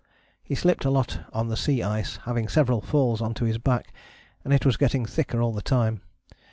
He slipped a lot on the sea ice, having several falls on to his back and it was getting thicker all the time.